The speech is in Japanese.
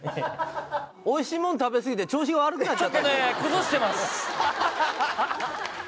おいしいもん食べすぎて調子が悪くなっちゃったんじゃない？